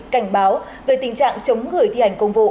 cảnh báo về tình trạng chống người thi hành công vụ